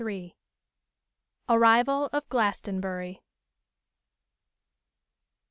_Arrival of Glastonbury.